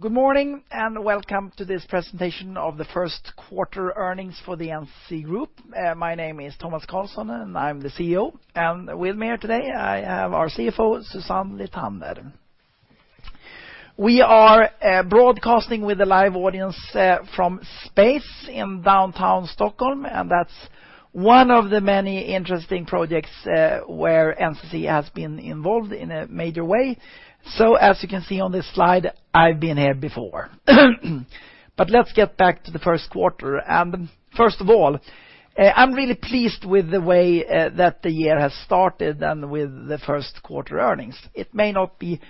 Good morning and welcome to this presentation of the first quarter earnings for the NCC Group. My name is Tomas Carlsson, and I'm the CEO. With me here today, I have our CFO, Susanne Lithander. We are broadcasting with a live audience from Space in downtown Stockholm, and that's one of the many interesting projects where NCC has been involved in a major way. As you can see on this slide, I've been here before. Let's get back to the first quarter. First of all, I'm really pleased with the way that the year has started and with the first quarter earnings. It may not be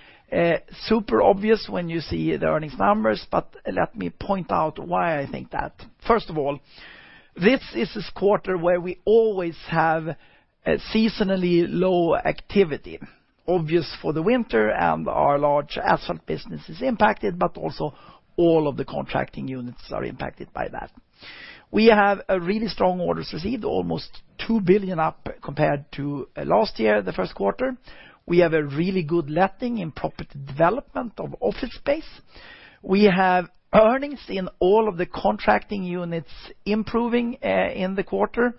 super obvious when you see the earnings numbers, but let me point out why I think that. First of all, this is this quarter where we always have a seasonally low activity, obvious for the winter, and our large asphalt business is impacted, but also all of the Contracting units are impacted by that. We have a really strong orders received, almost 2 billion up compared to last year, the first quarter. We have a really good letting in property development of office space. We have earnings in all of the Contracting units improving in the quarter.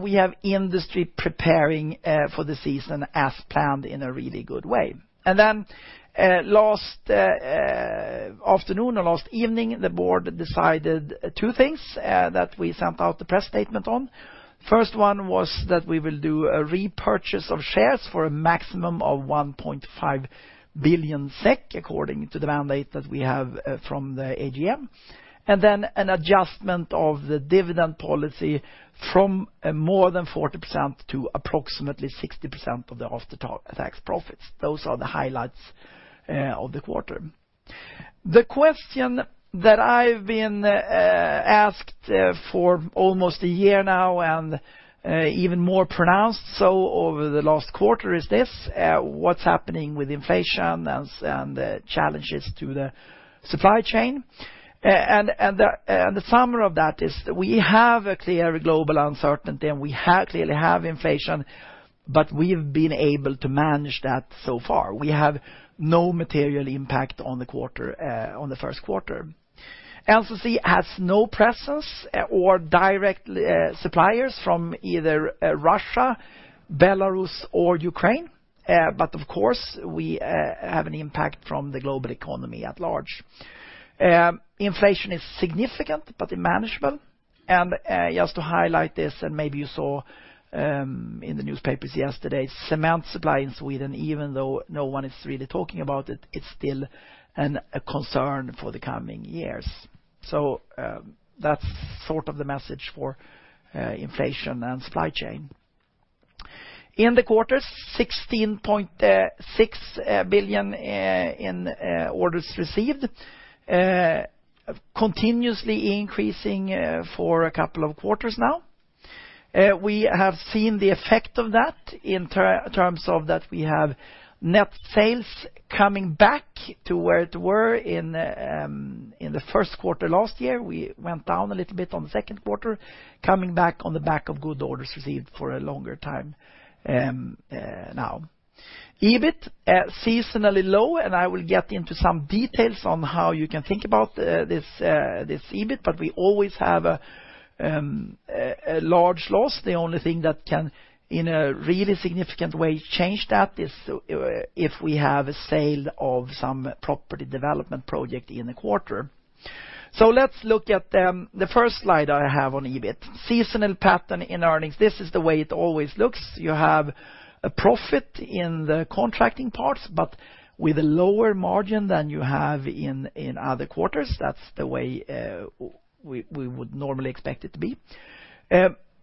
We have industry preparing for the season as planned in a really good way. Last afternoon or last evening, the board decided two things that we sent out the press statement on. First one was that we will do a repurchase of shares for a maximum of 1.5 billion SEK, according to the mandate that we have from the AGM. An adjustment of the dividend policy from more than 40% to approximately 60% of the after tax profits. Those are the highlights of the quarter. The question that I've been asked for almost a year now and even more pronounced so over the last quarter is this, what's happening with inflation and challenges to the supply chain? The summary of that is we have a clear global uncertainty, and we clearly have inflation, but we've been able to manage that so far. We have no material impact on the quarter, on the first quarter. NCC has no presence or direct suppliers from either Russia, Belarus, or Ukraine, but of course, we have an impact from the global economy at large. Inflation is significant, but manageable. Just to highlight this, and maybe you saw in the newspapers yesterday, cement supply in Sweden, even though no one is really talking about it's still a concern for the coming years. That's sort of the message for inflation and supply chain. In the quarter, 16.6 billion in orders received, continuously increasing for a couple of quarters now. We have seen the effect of that in terms of that we have net sales coming back to where it were in the first quarter last year. We went down a little bit on the second quarter, coming back on the back of good orders received for a longer time, now. EBIT seasonally low, and I will get into some details on how you can think about this EBIT, but we always have a large loss. The only thing that can, in a really significant way change that is, if we have a sale of some Property Development project in the quarter. Let's look at the first slide I have on EBIT. Seasonal pattern in earnings, this is the way it always looks. You have a profit in the contracting parts, but with a lower margin than you have in other quarters. That's the way we would normally expect it to be.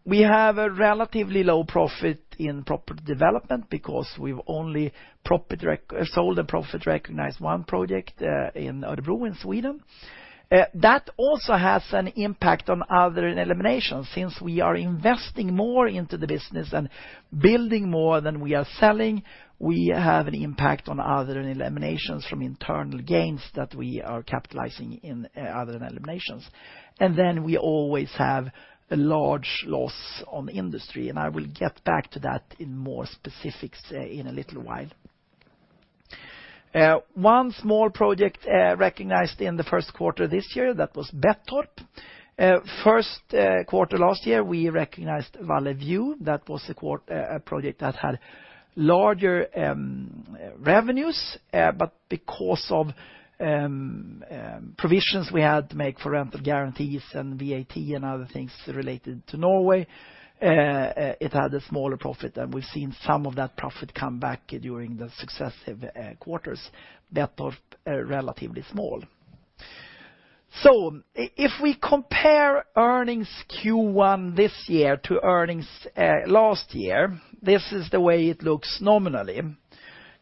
We have a relatively low profit in Property Development because we've only recognized one project in Örebro in Sweden. That also has an impact on Other & eliminations. Since we are investing more into the business and building more than we are selling, we have an impact on Other & eliminations from internal gains that we are capitalizing in Other & eliminations. We always have a large loss in Industry, and I will get back to that in more specifics in a little while. One small project recognized in the first quarter this year, that was Bettorp. First quarter last year, we recognized Valle View. That was a project that had larger revenues. Because of provisions we had to make for rental guarantees and VAT and other things related to Norway, it had a smaller profit. We've seen some of that profit come back during the successive quarters. The drop relatively small. If we compare earnings Q1 this year to earnings last year, this is the way it looks nominally.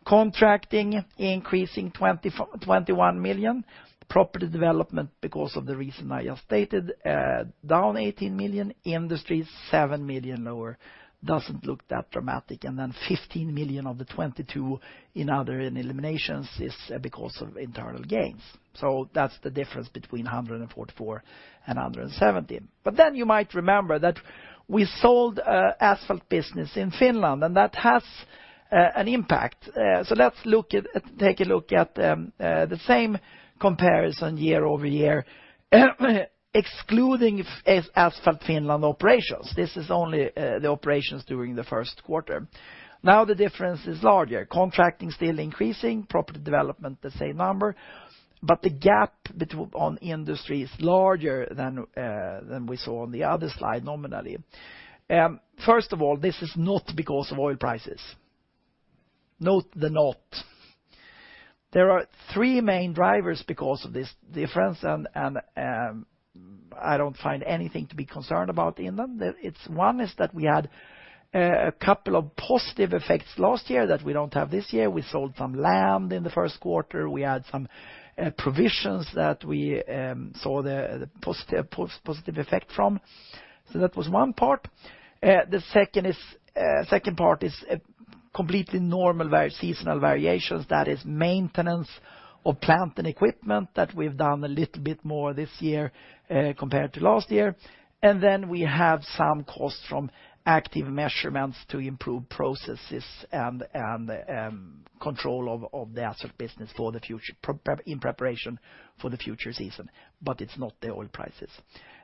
Contracting increasing 21 million. Property Development, because of the reason I just stated, down 18 million. Industry 7 million lower, doesn't look that dramatic. 15 million of the 22 million in Other & eliminations is because of internal gains. That's the difference between 144 million and 170 million. You might remember that we sold Asphalt Finland, and that has an impact. Take a look at the same comparison year-over-year, excluding Asphalt Finland operations. This is only the operations during the first quarter. Now the difference is larger. Contracting still increasing, Property Development the same number, but the gap on industry is larger than we saw on the other slide nominally. First of all, this is not because of oil prices. Note the 'not'. There are three main drivers because of this difference, and I don't find anything to be concerned about in them. It's one is that we had a couple of positive effects last year that we don't have this year. We sold some land in the first quarter. We had some provisions that we saw the positive effect from. That was one part. The second part is completely normal seasonal variations, that is maintenance of plant and equipment that we've done a little bit more this year compared to last year. We have some costs from active measures to improve processes and control of the Asphalt business for the future, in preparation for the future season. It's not the oil prices.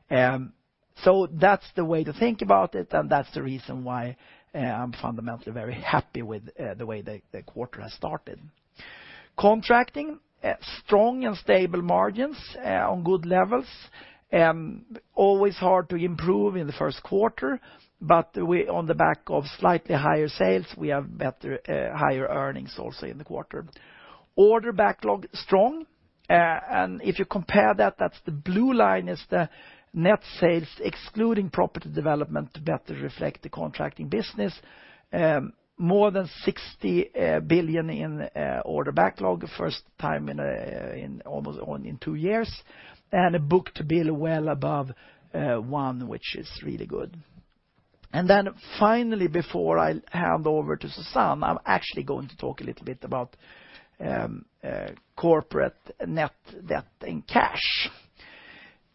That's the way to think about it, and that's the reason why I'm fundamentally very happy with the way the quarter has started. Contracting strong and stable margins on good levels. Always hard to improve in the first quarter, but we, on the back of slightly higher sales, we have better higher earnings also in the quarter. Order backlog strong. If you compare that's the blue line is the net sales excluding Property Development to better reflect the Contracting business. More than 60 billion in order backlog, first time in almost two years. A book-to-bill well above 1, which is really good. Finally, before I hand over to Susanne, I'm actually going to talk a little bit about corporate net debt and cash.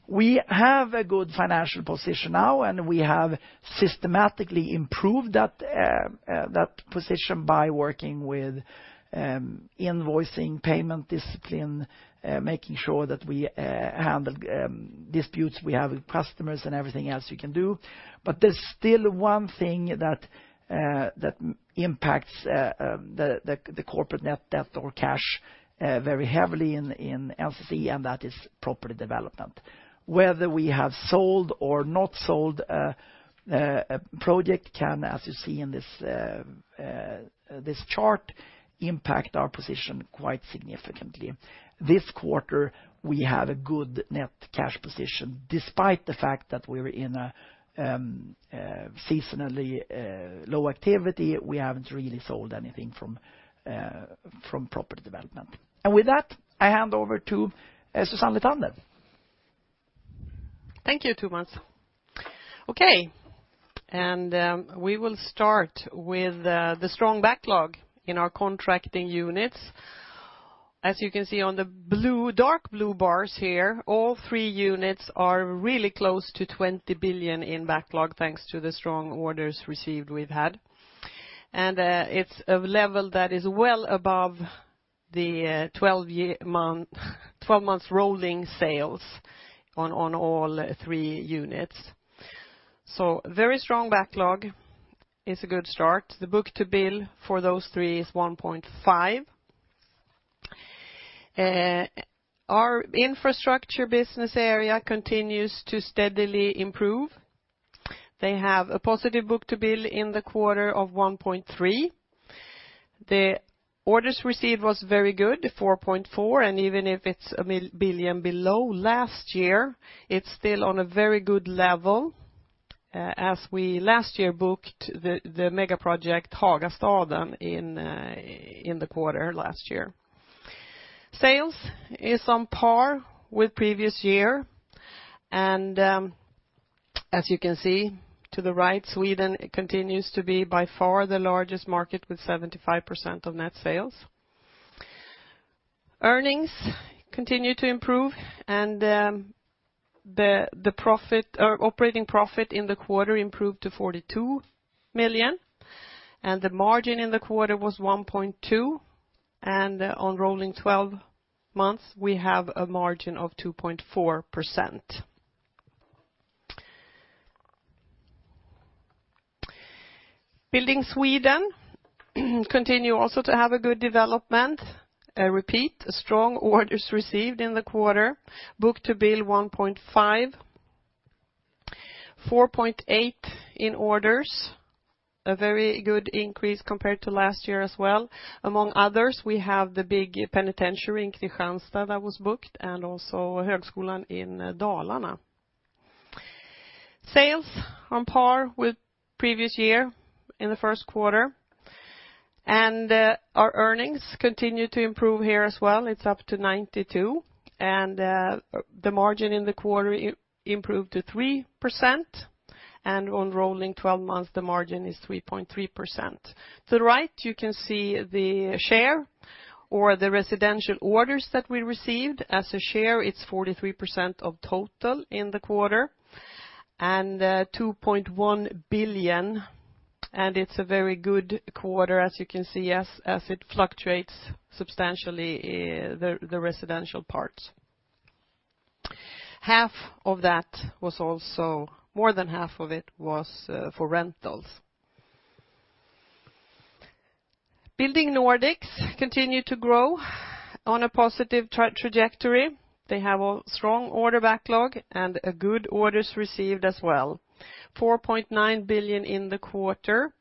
We have a good financial position now, and we have systematically improved that position by working with invoicing, payment discipline, making sure that we handle disputes we have with customers and everything else you can do. There's still one thing that impacts the corporate net debt or cash very heavily in NCC, and that is Property Development. Whether we have sold or not sold a project can, as you see in this chart, impact our position quite significantly. This quarter, we have a good net cash position. Despite the fact that we're in a seasonally low activity, we haven't really sold anything from Property Development. With that, I hand over to Susanne Lithander. Thank you, Tomas. Okay. We will start with the strong backlog in our Contracting units. As you can see on the blue, dark blue bars here, all three units are really close to 20 billion in backlog, thanks to the strong orders received we've had. It's a level that is well above the 12-month rolling sales on all three units. Very strong backlog. It's a good start. The book-to-bill for those three is 1.5. Our Infrastructure business area continues to steadily improve. They have a positive book-to-bill in the quarter of 1.3. The orders received was very good, 4.4 billion, and even if it's a billion below last year, it's still on a very good level, as we last year booked the mega project, Hagastaden, in the quarter last year. Sales is on par with previous year. As you can see to the right, Sweden continues to be by far the largest market with 75% of net sales. Earnings continue to improve, and the profit, or operating profit in the quarter improved to 42 million, and the margin in the quarter was 1.2%. On rolling 12-month, we have a margin of 2.4%. Building Sweden continue also to have a good development. I repeat, strong orders received in the quarter. Book-to-bill was 1.5. 4.8 billion in orders, a very good increase compared to last year as well. Among others, we have the big penitentiary in Kristianstad that was booked, and also Högskolan Dalarna. Sales on par with previous year in the first quarter. Our earnings continue to improve here as well. It's up to 92 million, and the margin in the quarter improved to 3%. On rolling 12-month, the margin is 3.3%. To the right, you can see the share of the residential orders that we received as a share, it's 43% of total in the quarter, and 2.1 billion. It's a very good quarter, as you can see, as it fluctuates substantially, the residential parts. More than half of it was for rentals. Building Nordics continued to grow on a positive trajectory. They have a strong order backlog and a good orders received as well. 4.9 billion in the quarter.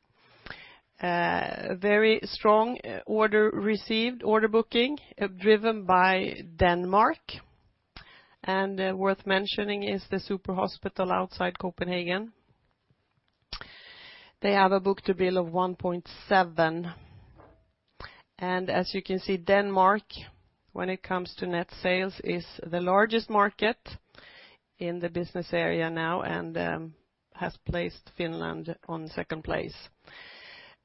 Very strong order received, order booking driven by Denmark. Worth mentioning is the super hospital outside Copenhagen. They have a book-to-bill of 1.7. As you can see, Denmark, when it comes to net sales, is the largest market in the business area now and has placed Finland on second place.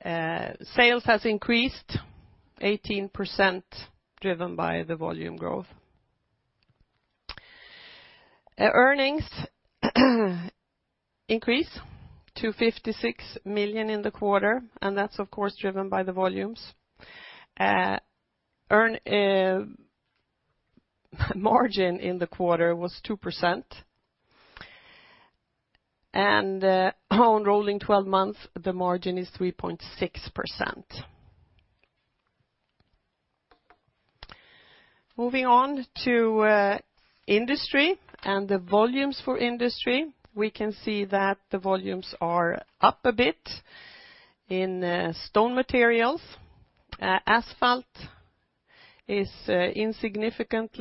Sales has increased 18% driven by the volume growth. Earnings increase to 56 million in the quarter, and that's of course driven by the volumes. Margin in the quarter was 2%. On rolling 12-month, the margin is 3.6%. Moving on to Industry and the volumes for Industry, we can see that the volumes are up a bit in stone materials. Asphalt is insignificant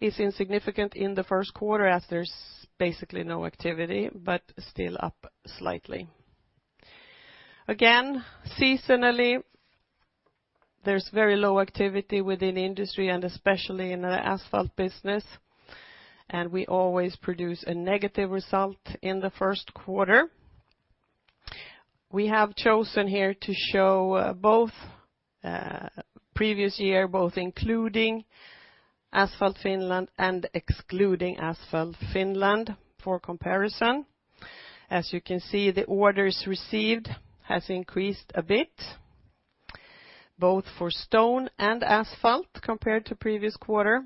in the first quarter as there's basically no activity, but still up slightly. Again, seasonally, there's very low activity within industry and especially in the Asphalt business, and we always produce a negative result in the first quarter. We have chosen here to show both previous year, both including Asphalt Finland and excluding Asphalt Finland for comparison. As you can see, the orders received has increased a bit, both for stone and asphalt compared to previous quarter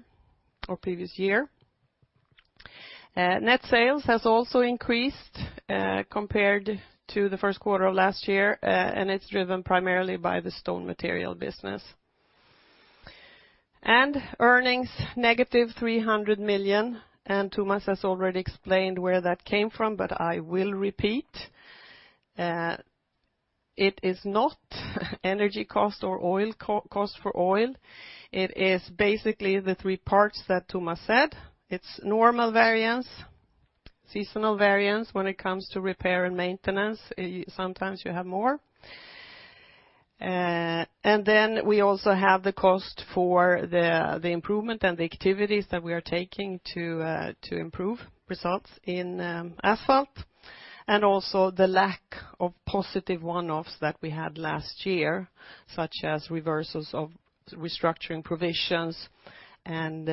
or previous year. Net sales has also increased compared to the first quarter of last year, and it's driven primarily by the stone material business. Earnings -300 million. Tomas has already explained where that came from, but I will repeat. It is not energy cost or oil, cost for oil. It is basically the three parts that Tomas said. It's normal variance, seasonal variance when it comes to repair and maintenance. Sometimes you have more. And then we also have the cost for the improvement and the activities that we are taking to improve results in Asphalt. And also the lack of positive one-offs that we had last year, such as reversals of restructuring provisions and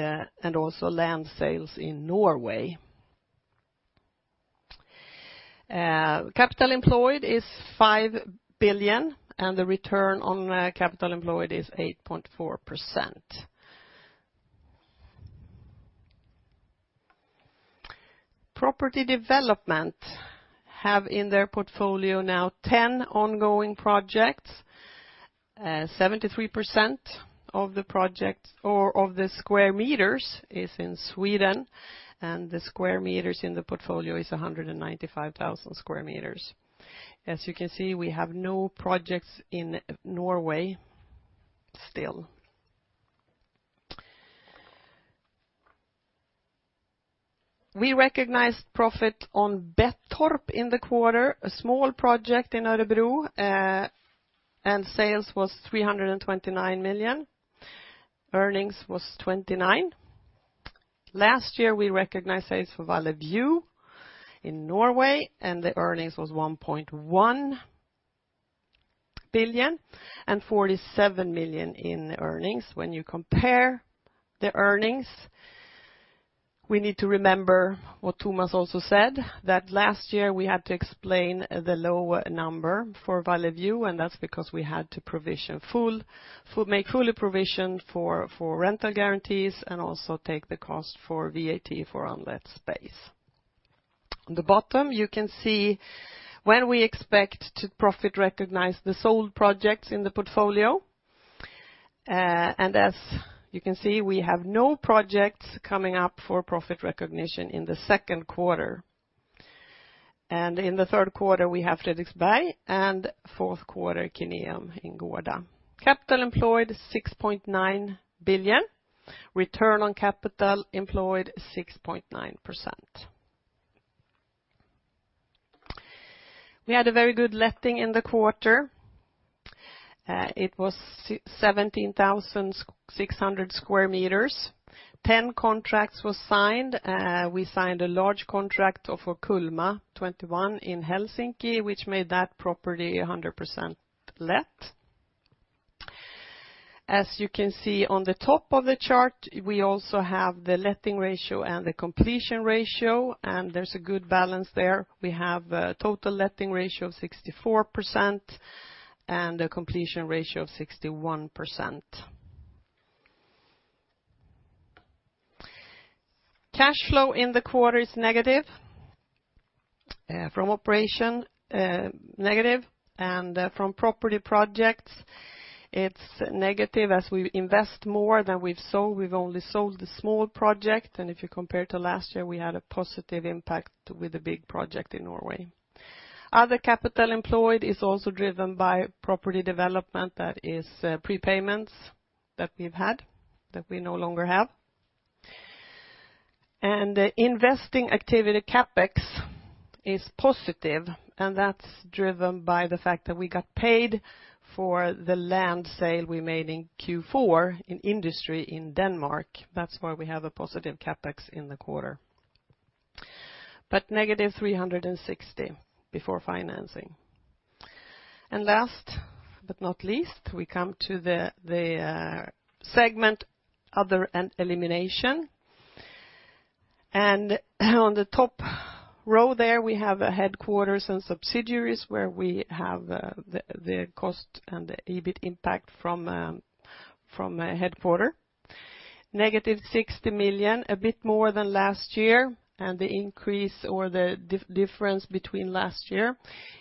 also land sales in Norway. Capital employed is 5 billion, and the return on capital employed is 8.4%. Property Development have in their portfolio now 10 ongoing projects. 73% of the projects or of the square meters is in Sweden, and the square meters in the portfolio is 195,000 sq meters. As you can see, we have no projects in Norway still. We recognized profit on Bettorp in the quarter, a small project in Örebro, and sales was 329 million. Earnings was 29 million. Last year, we recognized sales for Valle View in Norway, and the earnings was 1.1 billion and 47 million in earnings. When you compare the earnings, we need to remember what Tomas also said, that last year we had to explain the lower number for Valle View, and that's because we had to make fully provision for rental guarantees and also take the cost for VAT for unlet space. On the bottom, you can see when we expect to recognize profit on the sold projects in the portfolio. As you can see, we have no projects coming up for profit recognition in the second quarter. In the third quarter, we have Fredriksberg, and fourth quarter, Kineum in Gårda. Capital employed, 6.9 billion. Return on capital employed, 6.9%. We had a very good letting in the quarter. It was 17,600 sq meters. 10 contracts were signed. We signed a large contract for Kulma21 in Helsinki, which made that property 100% let. As you can see on the top of the chart, we also have the letting ratio and the completion ratio, and there's a good balance there. We have a total letting ratio of 64% and a completion ratio of 61%. Cash flow in the quarter is negative. From operations, negative, and from property projects, it's negative as we invest more than we've sold. We've only sold the small project, and if you compare to last year, we had a positive impact with a big project in Norway. Other capital employed is also driven by Property Development, that is prepayments that we've had, that we no longer have. Investing activities CapEx is positive, and that's driven by the fact that we got paid for the land sale we made in Q4 in Industry in Denmark. That's why we have a positive CapEx in the quarter and SEK -360 million before financing. Last but not least, we come to the segment Other & eliminations. On the top row there, we have a headquarters and subsidiaries where we have the cost and the EBIT impact from headquarters. -60 million, a bit more than last year, and the difference between last year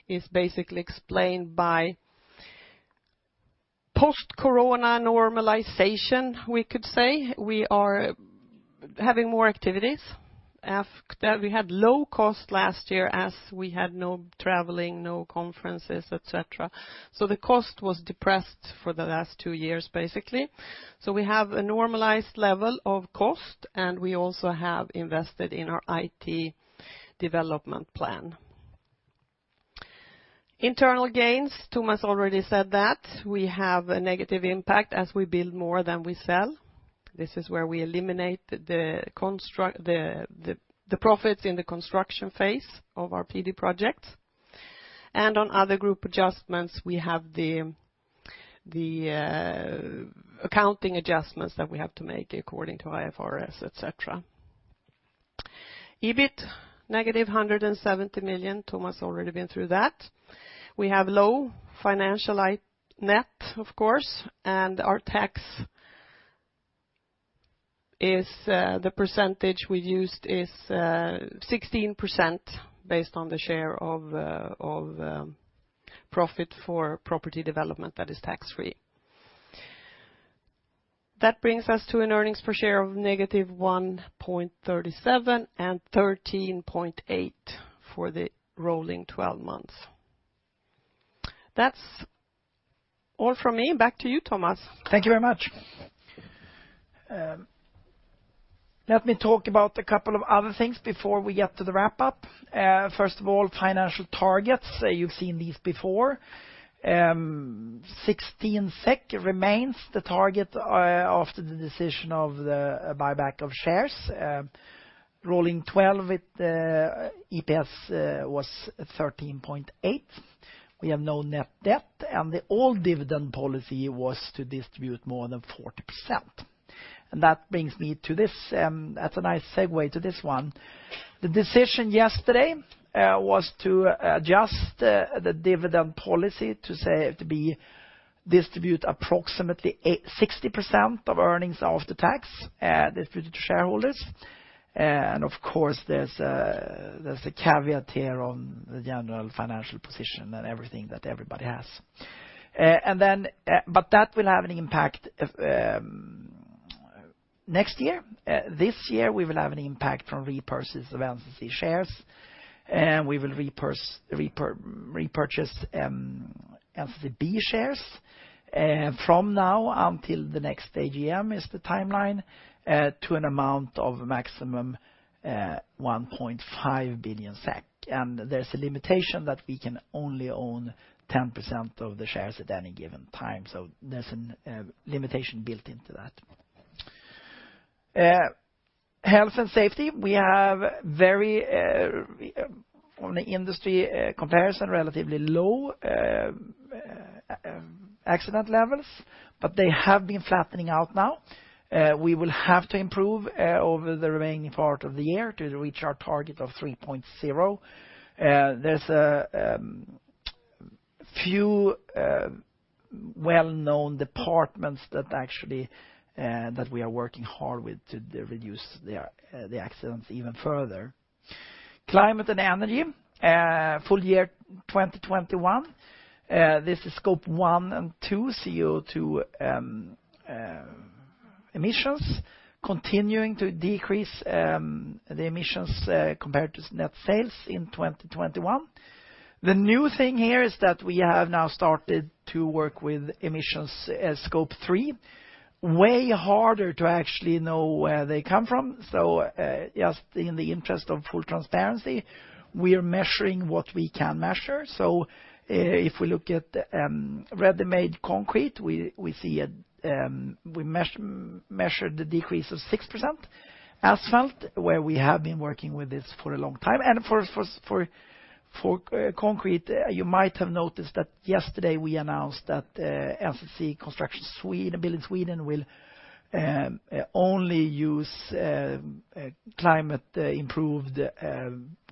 is basically explained by post-corona normalization, we could say. We are having more activities. That we had low cost last year as we had no traveling, no conferences, et cetera. The cost was depressed for the last two years, basically. We have a normalized level of cost, and we also have invested in our IT development plan. Internal gains, Tomas already said that. We have a negative impact as we build more than we sell. This is where we eliminate the profits in the construction phase of our PD projects. On other group adjustments, we have the accounting adjustments that we have to make according to IFRS, et cetera. EBIT -170 million, Thomas already been through that. We have low financial net, of course, and our tax is the percentage we used is 16% based on the share of profit for Property Development that is tax-free. That brings us to an earnings per share of -1.37 and 13.8 for the rolling 12-month. That's all from me. Back to you, Tomas. Thank you very much. Let me talk about a couple of other things before we get to the wrap-up. First of all, financial targets. You've seen these before. 16 SEK per share remains the target after the decision of the buyback of shares. Rolling 12-month with EPS was 13.8. We have no net debt, and the old dividend policy was to distribute more than 40%. That brings me to this, that's a nice segue to this one. The decision yesterday was to adjust the dividend policy to distribute approximately 60% of earnings after tax distributed to shareholders. Of course, there's a caveat here on the general financial position and everything that everybody has. But that will have an impact next year. This year, we will have an impact from repurchases of NCC shares, and we will repurchase NCC B shares from now until the next AGM is the timeline to an amount of maximum 1.5 billion SEK. There's a limitation that we can only own 10% of the shares at any given time, so there's a limitation built into that. Health and safety. We have, on the industry comparison, relatively very low accident levels, but they have been flattening out now. We will have to improve over the remaining part of the year to reach our target of 3.0. There's a few well-known departments that we are working hard with to reduce their accidents even further. Climate and energy. Full year 2021, this is Scope 1 and 2 CO2 emissions continuing to decrease, the emissions compared to net sales in 2021. The new thing here is that we have now started to work with emissions, Scope 3. Way harder to actually know where they come from. Just in the interest of full transparency, we are measuring what we can measure. If we look at ready-made concrete, we measured the decrease of 6%. Asphalt, where we have been working with this for a long time. For concrete, you might have noticed that yesterday we announced that NCC Building Sweden will only use climate-improved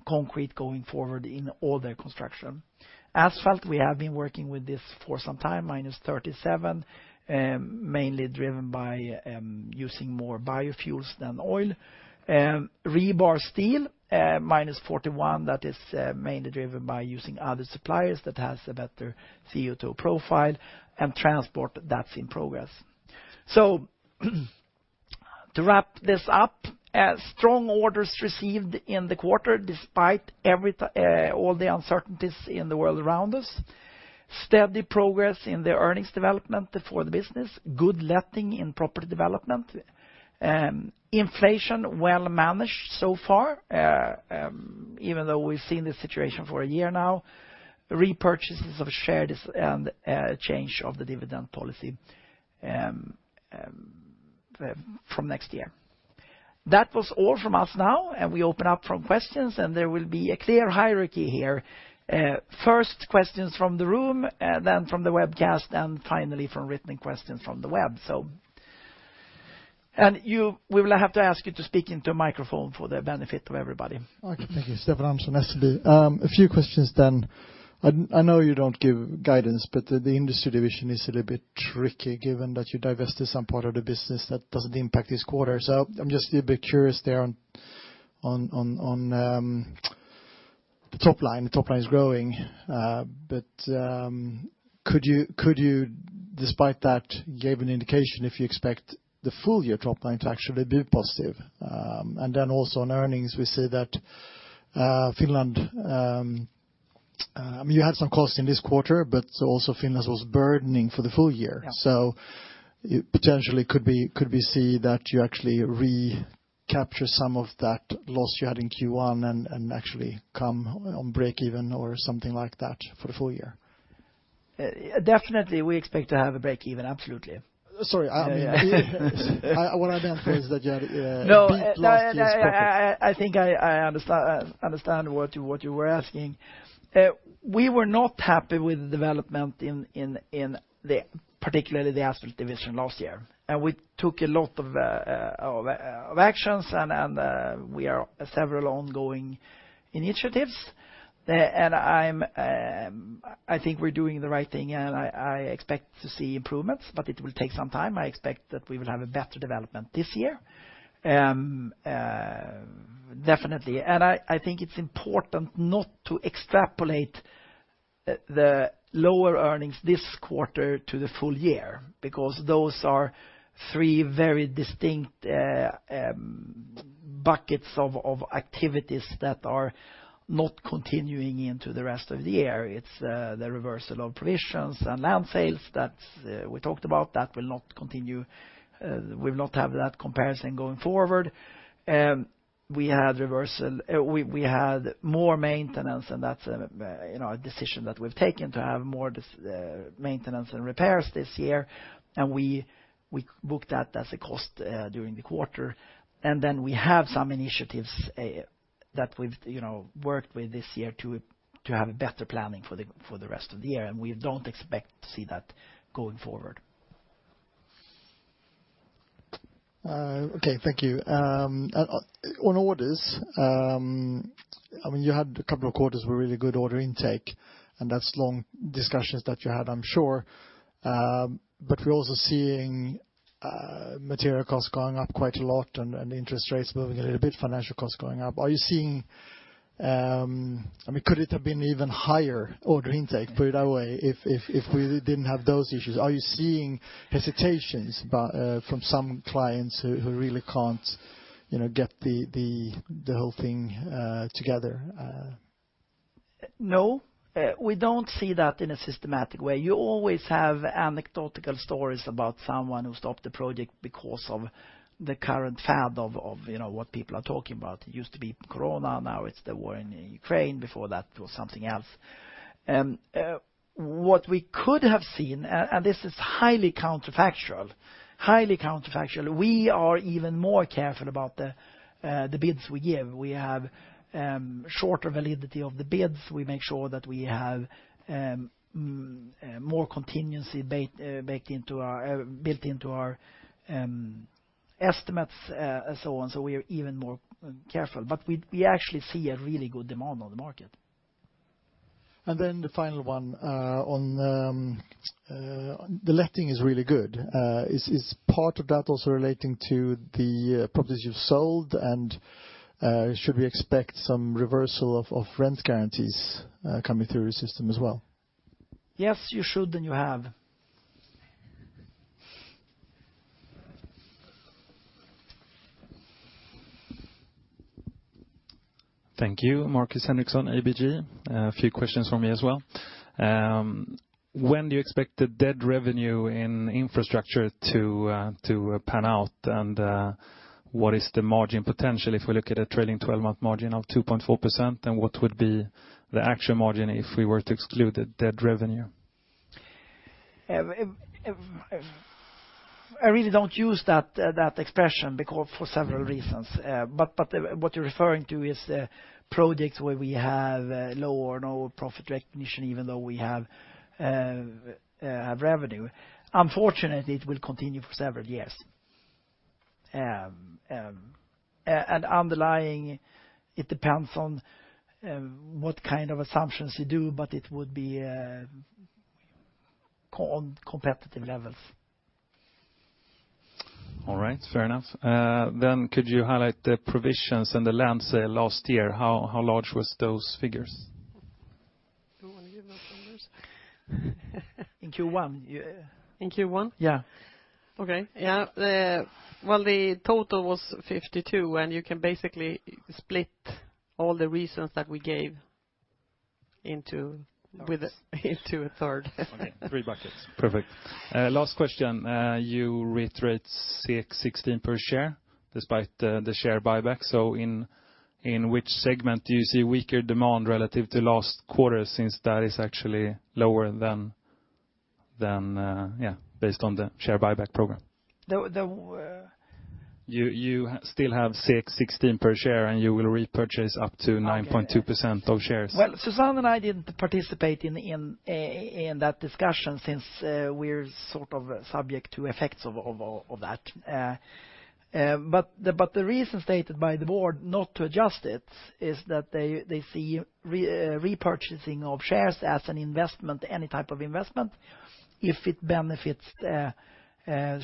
concrete going forward in all their construction. Asphalt, we have been working with this for some time, -37%, mainly driven by using more biofuels than oil. Rebar steel, -41%, that is mainly driven by using other suppliers that have a better CO2 profile. Transport, that's in progress. To wrap this up, strong orders received in the quarter despite all the uncertainties in the world around us. Steady progress in the earnings development for the business. Good letting in Property Development. Inflation well managed so far, even though we've seen this situation for a year now. Repurchases of shares and change of the dividend policy from next year. That was all from us now, and we open up for questions, and there will be a clear hierarchy here. First questions from the room, then from the webcast, and finally from written questions from the web. You, we will have to ask you to speak into a microphone for the benefit of everybody. Okay, thank you. Stefan Andersson, SEB. A few questions. I know you don't give guidance, but the Industry division is a little bit tricky given that you divested some part of the business that doesn't impact this quarter. I'm just a bit curious there on the top line. The top line is growing. Could you, despite that, give an indication if you expect the full year top line to actually be positive? Also on earnings, we see that Finland. I mean, you had some costs in this quarter, but also Finland was burdening for the full year. Yeah. Potentially could we see that you actually recapture some of that loss you had in Q1 and actually come on break even or something like that for the full year? Definitely we expect to have a break-even, absolutely. Sorry. What I meant was that you had, beat last year's profit. No, I think I understand what you were asking. We were not happy with the development, particularly in the Asphalt division last year. We took a lot of actions and there are several ongoing initiatives. I think we're doing the right thing, and I expect to see improvements, but it will take some time. I expect that we will have a better development this year, definitely. I think it's important not to extrapolate the lower earnings this quarter to the full year, because those are three very distinct buckets of activities that are not continuing into the rest of the year. It's the reversal of provisions and land sales that we talked about. That will not continue. We will not have that comparison going forward. We had more maintenance, and that's, you know, a decision that we've taken to have more maintenance and repairs this year. We booked that as a cost during the quarter. Then we have some initiatives that we've worked with this year to have a better planning for the rest of the year, and we don't expect to see that going forward. Okay. Thank you. On orders, I mean, you had a couple of quarters with really good order intake, and that's long discussions that you had, I'm sure. We're also seeing material costs going up quite a lot and interest rates moving a little bit, financial costs going up. Are you seeing, I mean, could it have been even higher order intake, put it that way, if we didn't have those issues? Are you seeing hesitations from some clients who really can't, you know, get the whole thing together? No. We don't see that in a systematic way. You always have anecdotal stories about someone who stopped a project because of the current fad of you know what people are talking about. It used to be Corona, now it's the war in Ukraine. Before that it was something else. What we could have seen, and this is highly counterfactual, we are even more careful about the bids we give. We have shorter validity of the bids. We make sure that we have more contingency baked into our estimates and so on. We are even more careful. We actually see a really good demand on the market. The final one on the letting is really good. Is part of that also relating to the properties you've sold? Should we expect some reversal of rent guarantees coming through your system as well? Yes, you should and you have. Thank you. Markus Henriksson, ABG. A few questions from me as well. When do you expect the deferred revenue in Infrastructure to pan out? What is the margin potential if we look at a trailing 12-month margin of 2.4%? What would be the actual margin if we were to exclude the deferred revenue? I really don't use that expression because for several reasons. What you're referring to is projects where we have low or no profit recognition even though we have revenue. Unfortunately, it will continue for several years. Underlying, it depends on what kind of assumptions you do, but it would be on competitive levels. All right. Fair enough. Could you highlight the provisions in the lands last year, how large was those figures? Do you want to give those numbers? In Q1, yeah. In Q1? Yeah. Well, the total was 52 million, and you can basically split all the reasons that we gave into three. Okay. Three buckets. Perfect. Last question. You reiterate 16 per share despite the share buyback. In which segment do you see weaker demand relative to last quarter since that is actually lower than based on the share buyback program? The buyback? You still have 16 per share, and you will repurchase up to 9.2% of shares. Well, Susanne and I didn't participate in that discussion since we're sort of subject to effects of that. The reason stated by the Board not to adjust it is that they see repurchasing of shares as an investment, any type of investment. If it benefits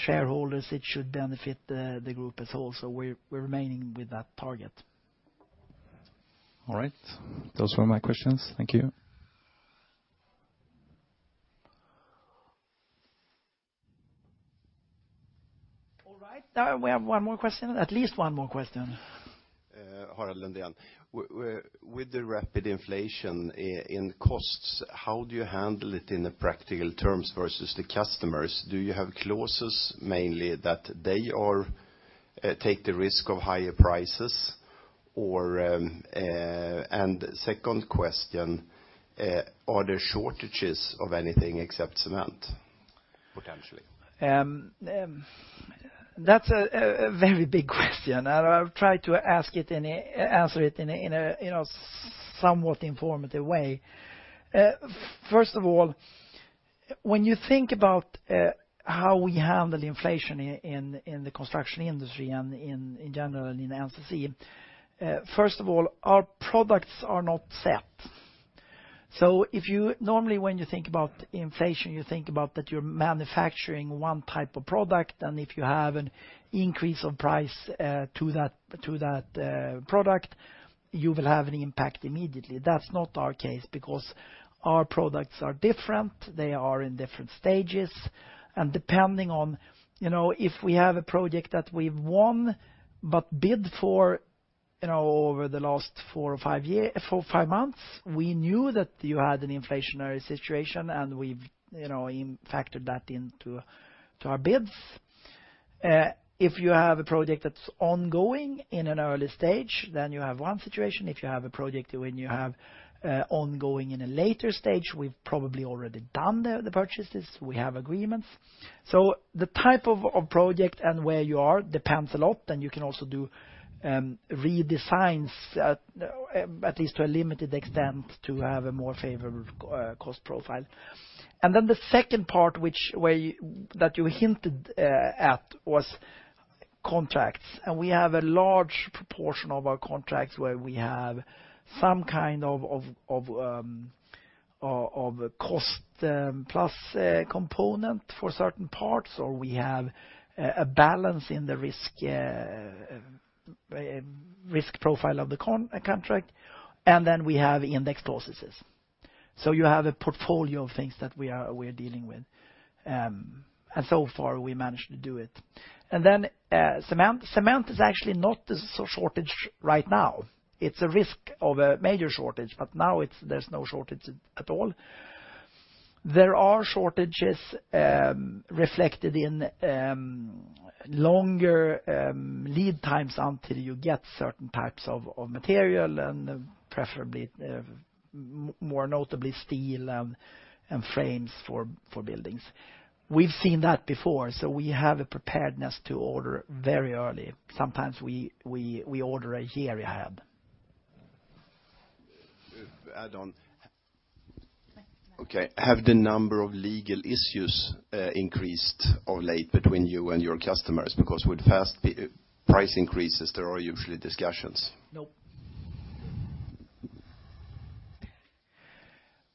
shareholders, it should benefit the group as a whole. We're remaining with that target. All right. Those were my questions. Thank you. All right. We have one more question, at least one more question. Albin Sandberg. With the rapid inflation in costs, how do you handle it in the practical terms versus the customers? Do you have clauses mainly that they are take the risk of higher prices? Second question, are there shortages of anything except cement potentially? That's a very big question, and I'll try to answer it in a, you know, somewhat informative way. First of all, when you think about how we handle inflation in the construction industry and in general in NCC, first of all, our products are not set. Normally, when you think about inflation, you think about that you're manufacturing one type of product, and if you have an increase of price to that product, you will have an impact immediately. That's not our case because our products are different. They are in different stages. Depending on, you know, if we have a project that we've won but bid for, you know, over the last four or five months, we knew that you had an inflationary situation, and we've, you know, factored that into our bids. If you have a project that's ongoing in an early stage, then you have one situation. If you have a project ongoing in a later stage, we've probably already done the purchases. We have agreements. The type of project and where you are depends a lot, and you can also do redesigns at least to a limited extent, to have a more favorable cost profile. Then the second part that you hinted at was contracts. We have a large proportion of our contracts where we have some kind of cost plus component for certain parts, or we have a balance in the risk profile of the contract, and then we have index clauses. You have a portfolio of things that we're dealing with. So far, we managed to do it. Cement is actually not the shortage right now. It's a risk of a major shortage, but now there's no shortage at all. There are shortages reflected in longer lead times until you get certain types of material and preferably more notably steel and frames for buildings. We've seen that before, so we have a preparedness to order very early. Sometimes we order a year ahead. With add on? No. Okay. Have the number of legal issues increased of late between you and your customers? Because with fast price increases, there are usually discussions. Nope.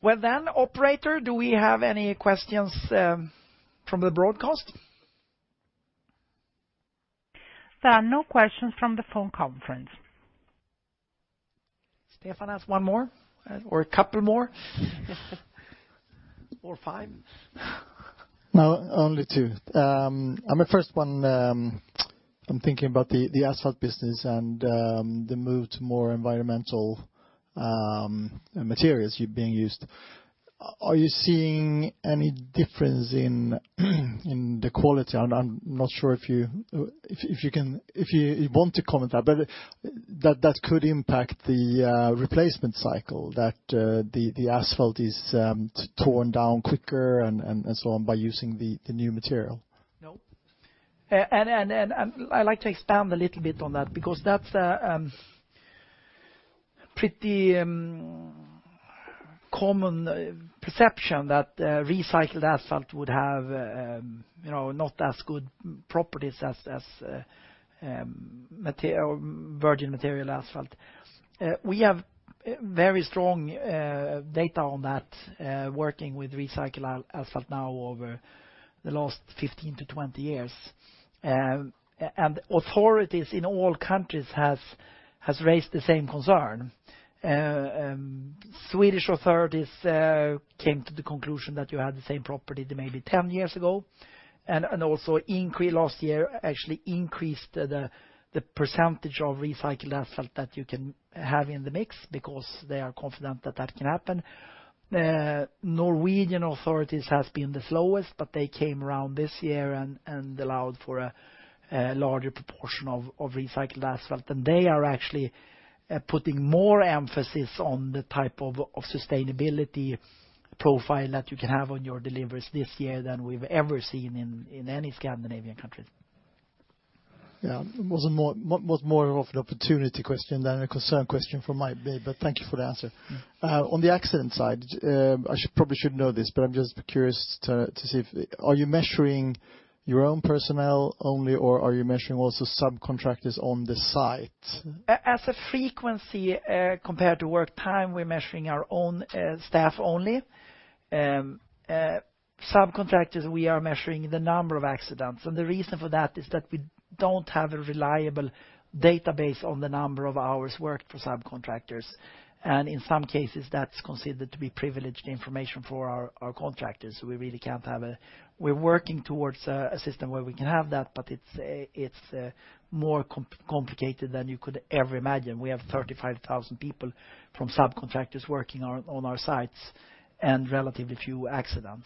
Well, then, operator, do we have any questions from the broadcast? There are no questions from the phone conference. Stefan has one more, or a couple more? Or five? No, only two. On the first one, I'm thinking about the Asphalt business and the move to more environmental materials being used. Are you seeing any difference in the quality? I'm not sure if you want to comment that, but that could impact the replacement cycle that the asphalt is torn down quicker and so on by using the new material. I'd like to expand a little bit on that because that's a pretty common perception that recycled asphalt would have, you know, not as good properties as or virgin material asphalt. We have very strong data on that, working with recycled asphalt now over the last 15 to 20 years. Authorities in all countries has raised the same concern. Swedish authorities came to the conclusion that you had the same property maybe 10 years ago, and also last year actually increased the percentage of recycled asphalt that you can have in the mix because they are confident that that can happen. Norwegian authorities has been the slowest, but they came around this year and allowed for a larger proportion of recycled asphalt. They are actually putting more emphasis on the type of sustainability profile that you can have on your deliveries this year than we've ever seen in any Scandinavian country. Yeah. It was more of an opportunity question than a concern question from my side, but thank you for the answer. On the accident side, I probably shouldn't know this, but I'm just curious to see if Are you measuring your own personnel only, or are you measuring also subcontractors on the site? As a frequency, compared to work time, we're measuring our own staff only. Subcontractors, we are measuring the number of accidents, and the reason for that is that we don't have a reliable database on the number of hours worked for subcontractors. In some cases, that's considered to be privileged information for our contractors, so we really can't. We're working towards a system where we can have that, but it's more complicated than you could ever imagine. We have 35,000 people from subcontractors working on our sites and relatively few accidents.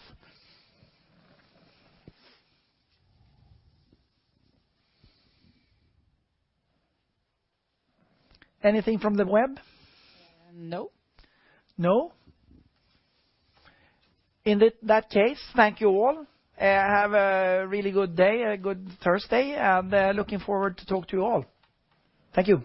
Anything from the web? No. No? In that case, thank you all. Have a really good day, a good Thursday, and looking forward to talk to you all. Thank you.